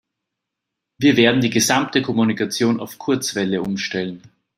Wir werden die gesamte Kommunikation auf Kurzwelle umstellen.